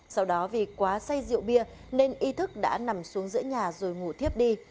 sau đó vì quá say rượu bia nên ythức đã nằm xuống giữa nhà rồi ngủ tiếp đi